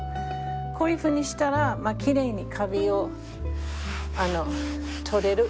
こういうふうにしたらきれいにカビを取れる。